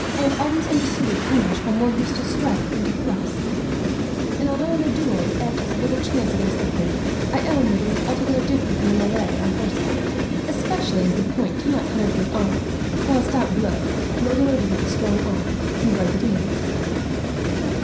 I have always understood that the English are more used to strike than to thrust, and although in the duel the edge has little chance against the point, I own that it is altogether different in a melee on horseback; especially as the point cannot penetrate armour, while a stout blow, well delivered with a strong arm, can break it in.